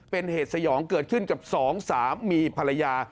เป็นเหตุสยองเกิดขึ้นกับสองสามีภรรยา